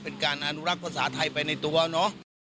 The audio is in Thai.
เป็นการอนุรักษ์ภาษาไทยไปในตัวเนาะ